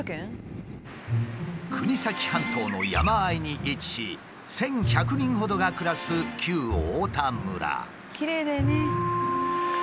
国東半島の山あいに位置し１，１００人ほどが暮らすきれいだよね。